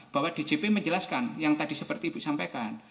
bahwa djp menjelaskan yang tadi seperti ibu sampaikan